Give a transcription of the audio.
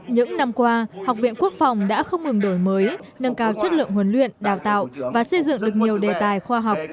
những năm qua học viện quốc phòng đã không ngừng đổi mới nâng cao chất lượng huấn luyện đào tạo và xây dựng được nhiều đề tài khoa học